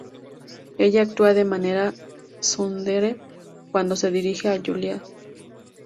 Ella actúa de manera tsundere cuando se dirige a Juliet.